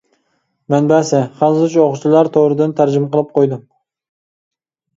مەنبەسى:خەنزۇچە ئوقۇغۇچىلار تورىدىن تەرجىمە قىلىپ قويدۇم.